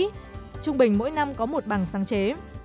trung bình mỗi năm có một bảng sáng chế